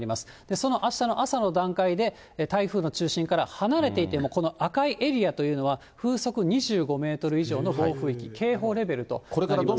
そのあしたの朝の段階で、台風の中心から離れていても、この赤いエリアというのは、風速２５メートル以上の暴風域、警報レベルとなります。